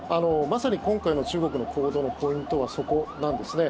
まさに今回の中国の行動のポイントはそこなんですね。